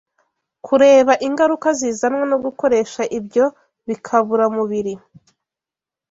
kureba ingaruka zizanwa no gukoresha ibyo bikaburamubiri